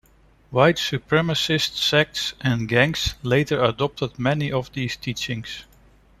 White supremacist sects and gangs later adopted many of these teachings.